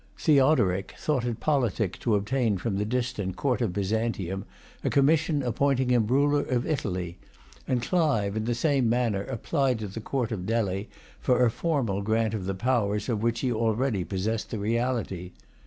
Theodoric thought it politic to obtain from the distant Court of Byzantium a commission appointing him ruler of Italy; and Clive, in the same manner, applied to the Court of Delhi for a formal grant of the powers of which he already possessed the reality.